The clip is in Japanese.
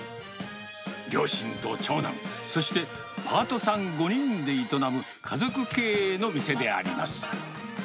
両親と長男、そしてパートさん５人で営む家族経営の店であります。